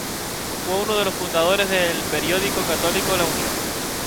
Fue uno de los fundadores del periódico católico "La Unión".